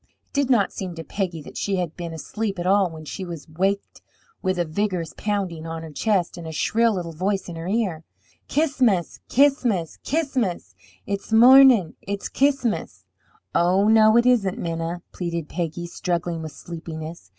It did not seem to Peggy that she had been asleep at all when she was waked with a vigorous pounding on her chest and a shrill little voice in her ear: "Ch'is'mus, Ch'is'mus, Ch'is'mus! It's mornin'! It's Ch'is'mus!" "Oh, no, it isn't, Minna!" pleaded Peggy, struggling with sleepiness.